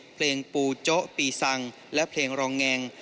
เพลงปูโจ๊ปีซังและเพลงรองแงง